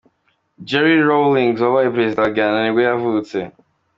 Jerry Rawlings wabaye perezida wa Ghana nibwo yavutse.